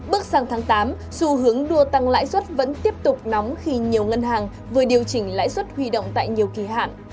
bước sang tháng tám xu hướng đua tăng lãi suất vẫn tiếp tục nóng khi nhiều ngân hàng vừa điều chỉnh lãi suất huy động tại nhiều kỳ hạn